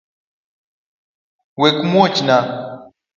Wekmuochna